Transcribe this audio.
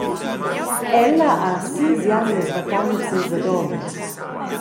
Ella ha sis jamnas vacanazas ad onn.